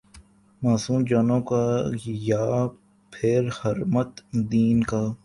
معصوم جانوں کا یا پھرحرمت دین کا؟